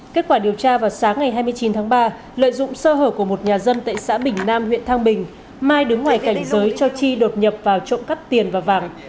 kết quả điều tra vào sáng ngày hai mươi chín tháng ba lợi dụng sơ hở của một nhà dân tại xã bình nam huyện thăng bình mai đứng ngoài cảnh giới cho chi đột nhập vào trộm cắp tiền và vàng